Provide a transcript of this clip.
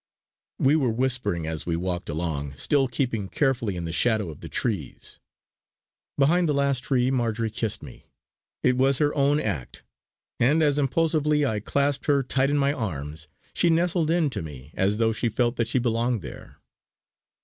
We were whispering as we walked along, still keeping carefully in the shadow of the trees. Behind the last tree Marjory kissed me. It was her own act, and as impulsively I clasped her tight in my arms, she nestled in to me as though she felt that she belonged there.